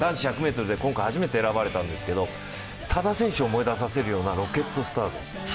今回初めて選ばれたんですが、多田選手を思わせるようなロケットスタート。